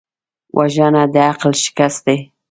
وژنه د عقل شکست دی